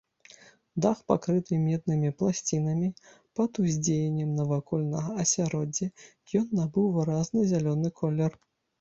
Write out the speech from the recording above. Дах пакрыты меднымі пласцінамі, пад уздзеяннем навакольнага асяроддзя ён набыў выразны зялёны колер.